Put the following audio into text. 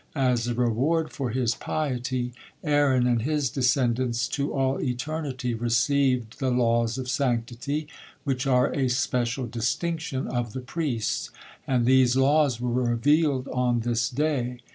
As a reward for his piety, Aaron and his descendants to all eternity received the laws of sanctity, which are a special distinction of the priests, and these laws were revealed on this day.